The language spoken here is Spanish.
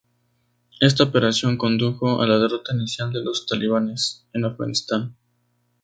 Esta operación condujo a la derrota inicial de los talibanes en Afganistán.